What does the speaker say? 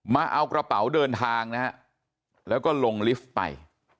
มาเอากระเป๋าเดินทางนะฮะแล้วก็ลงลิฟต์ไป